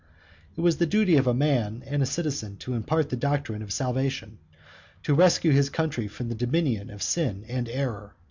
It was the duty of a man and a citizen to impart the doctrine of salvation, to rescue his country from the dominion of sin and error.